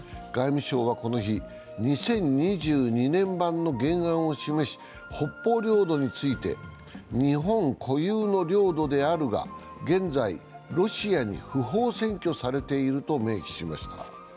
外務省はこの日、２０２２年版の原案を示し、北方領土について、日本固有の領土であるが現在ロシアに不法占拠されていると明記しました。